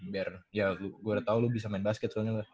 biar ya gue udah tau lu bisa main basket soalnya lo